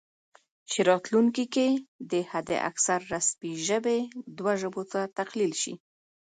چې راتلونکي کې دې حد اکثر رسمي ژبې دوه ژبو ته تقلیل شي